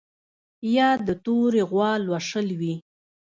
یا د تورې غوا لوشل وي